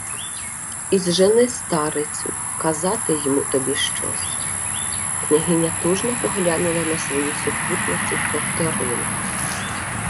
— Ізжени старицю, казати-йму тобі щось. Княгиня тужно поглянула на свою супутницю й повторила: